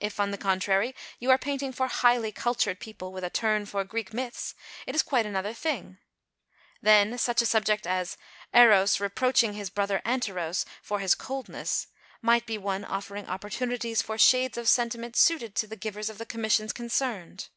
If, on the contrary, you are painting for highly cultured people with a turn for Greek myths, it is quite another thing; then, such a subject as "Eros reproaching his brother Anteros for his coldness" might be one offering opportunities for shades of sentiment suited to the givers of the commissions concerned.